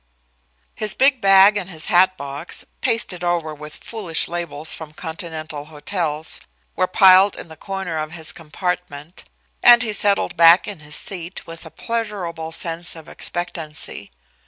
His big bag and his hatbox pasted over with foolish labels from continental hotels were piled in the corner of his compartment, and he settled back in his seat with a pleasurable sense of expectancy.